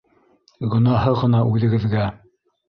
Гонаһы ғына үҙегеҙгә...